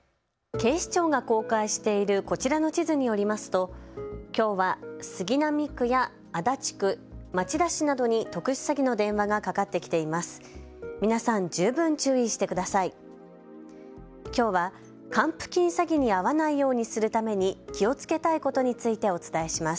警視庁が公開しているこちらの地図によりますときょうは杉並区や足立区、町田市などに特殊詐欺の電話がかかってきています。